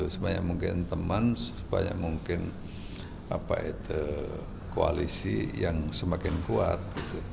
sebanyak mungkin teman sebanyak mungkin koalisi yang semakin kuat